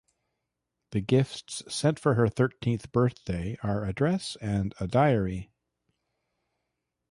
The gifts sent for her thirteenth birthday are a dress and a diary.